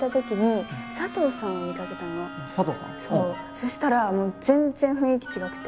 そしたら全然雰囲気違くて。